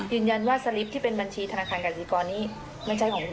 ยืนยันว่าสลิปที่เป็นบัญชีธนาคารกสิกรนี้ไม่ใช่ของคุณพ่อ